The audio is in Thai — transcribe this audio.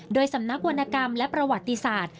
โดยสำนักวรรณกรรมและประวัติศาสตร์